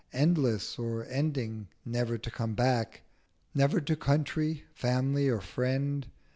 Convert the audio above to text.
Endless—or, ending, never to come back!— Never to Country, Family, or Friend!'